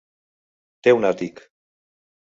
Té un àtic.